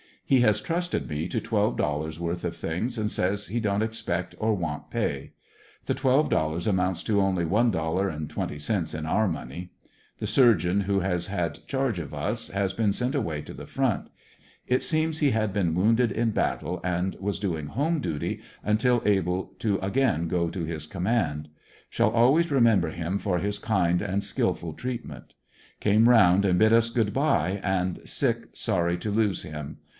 He has trusted me to twelve dollars worth of things and says he don't expect or want pay. The twelve dollars amounts to only one dollar and twenty cents in our money. The surgeon who has had charge of us has been sent away to the front. It seems he had been wounded in battle and was doing home duty until able to again go to his com mand. Shall always remember him for his kind and skillful treat ment. Came round and bid us all good bye, and sick sorry to. lose him.